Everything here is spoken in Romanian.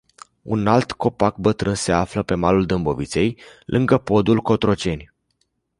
Un alt copac bătrân se află pe malul Dâmboviței, lângă podul Cotroceni.